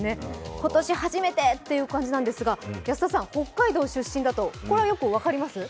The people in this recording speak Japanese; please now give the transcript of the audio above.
今年初めてという感じですが安田さん、北海道出身だとこれは分かります？